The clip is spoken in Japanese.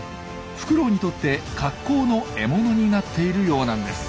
フクロウにとって格好の獲物になっているようなんです。